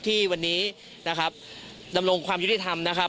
ที่วันนี้นะครับดำรงความยุติธรรมนะครับ